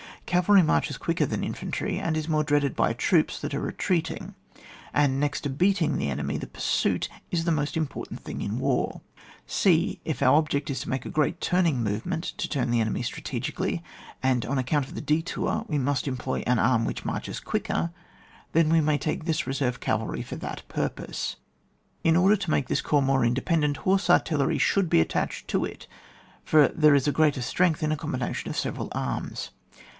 Cavalry marches quicker than infantry, and is more dreaded by troops that are retreating. And next to beating the enemy, the pursuit is the most important thing in war. {e) If our object is to make a great turning movement (to turn the enemy strategically), and on account of the detour we must employ an arm which marches quicker, then we may take this reserve cavalry for the purpose. In order to make this corps more inde pendent, horse artillery should be attached to it ; for there is greater strength in a combination of several arms.